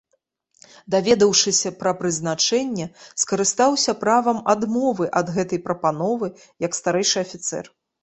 Даведаўшыся пра прызначэнне, скарыстаўся правам адмовы ад гэтай прапановы як старэйшы афіцэр.